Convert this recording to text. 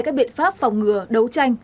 các biện pháp phòng ngừa đấu tranh